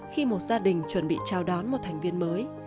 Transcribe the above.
khi một gia đình chuẩn bị chào đón một thành viên mới